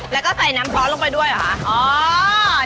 แล้วก็ใส่น้ำซอสลงไปด้วยเหรอคะ